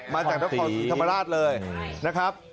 มาจากนครศรีธรรมราชเลยนะครับ